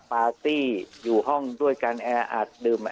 ปาร์ตี้อยู่ห้องด้วยกันแอร์อัด